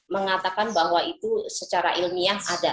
mengatakan bahwa itu secara ilmiah ada